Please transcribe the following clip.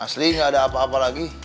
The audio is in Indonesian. asli nggak ada apa apa lagi